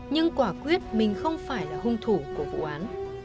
nhưng quả quyết mình không phải là hung thủ của vụ án